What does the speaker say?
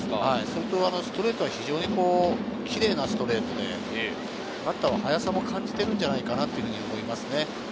ストレートは非常にキレイなストレートで、バッターは速さも感じてるんじゃないかなと思います。